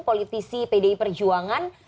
politisi pdi perjuangan